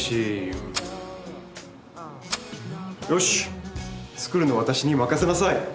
よし作るのは私に任せなさい。